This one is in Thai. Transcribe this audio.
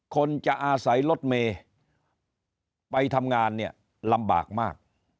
คนจะอาศัยรถเมย์ไปทำงานเนี่ยลำบากมาก